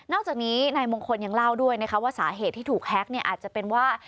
จากนี้นายมงคลยังเล่าด้วยนะคะว่าสาเหตุที่ถูกแฮ็กเนี่ยอาจจะเป็นว่า